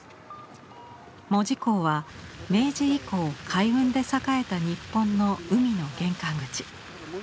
門司港は明治以降海運で栄えた日本の「海の玄関口」。